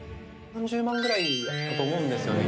４０万ぐらいだったと思うんですよね